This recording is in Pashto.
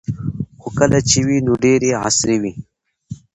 خو کله چې وې نو ډیرې عصري وې